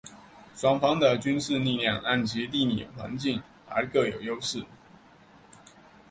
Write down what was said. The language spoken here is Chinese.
双方的军事力量按其地理环境而各有优势。